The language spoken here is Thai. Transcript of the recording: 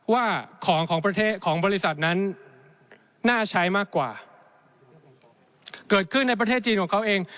ว่าของของประเทศของบริษัทนั้นน่าใช้มากกว่าเกิดขึ้นในประเทศจีนของเขาเอง